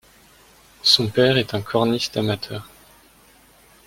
Son père est un corniste amateur.